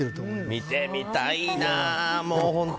見てみたいな、本当。